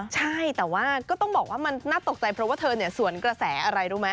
ใช่แต่ว่าก็ต้องบอกว่ามันน่าตกใจเพราะว่าเธอสวนกระแสอะไรรู้ไหม